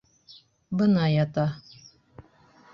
Бына ята.